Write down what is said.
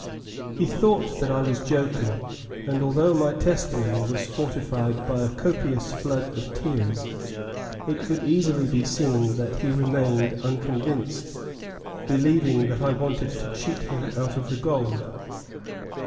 He thought that I was joking, and although my testimony was fortified by a copious flood of tears, it could easily be seen that he remained unconvinced, believing that I wanted to cheat him out of the gold.